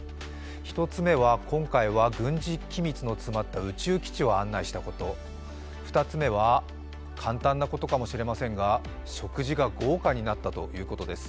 １つ目は今回は軍事機密の詰まった宇宙基地を案内したこと、２つ目は、簡単なことかもしれませんが食事が豪華になったということです。